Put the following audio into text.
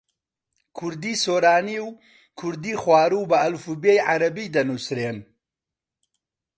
کوردیی سۆرانی و کوردیی خواروو بە ئەلفوبێی عەرەبی دەنووسرێن.